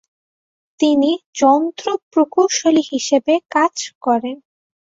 তিনি যন্ত্রপ্রকৌশলী হিসেবে কাজ করেন।